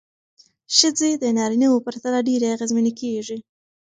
ښځې د نارینه وو پرتله ډېرې اغېزمنې کېږي.